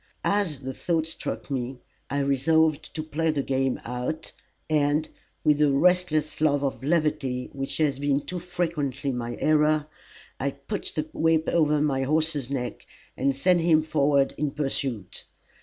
As the thought struck me, I resolved to play the game out, and, with a restless love of levity which has been too frequently my error, I put the whip over my horse's neck, and sent him forward in pursuit.